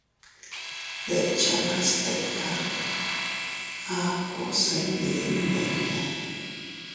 Dekchanas tika, aku se ndi nmiña.